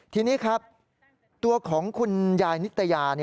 ทีนี้ครับตัวของคุณยายนิตยา